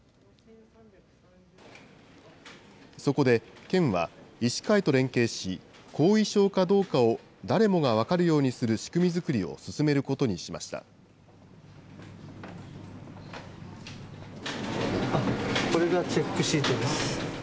そこで、県は医師会と連携し、後遺症かどうかを誰もが分かるようにする仕組み作りを進めることこれがチェックシートです。